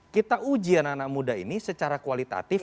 kita ujian anak anak muda ini secara kualitatif